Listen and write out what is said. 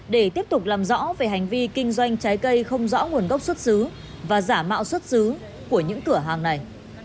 để tiếp tục làm rõ về hành vi kinh doanh trái cây không rõ nguồn gốc xuất xứ và giả mạo xuất xứ của những cửa hàng này